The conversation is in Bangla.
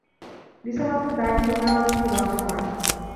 রিসালাতের দায়িত্ব দেয়ার জন্যে বাছাই করেন।